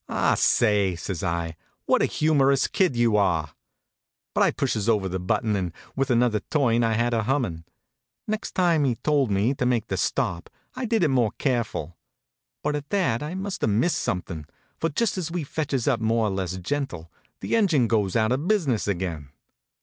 " Ah, say! " says I. What a humorous kid you are !" But I pushes over the button, and with another turn I had her hummin . Next time he told me to make the stop I did it more careful; but at that I must have missed something, for just as we fetches up more or less gentle, the engine goes out of business again.